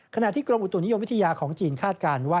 ขณะที่กรมอุตุนิยมวิทยาของจีนคาดการณ์ว่า